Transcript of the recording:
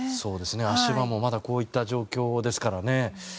足場もこういった状況ですからね。